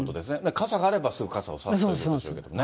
傘があれば、すぐ傘を差すということでしょうね。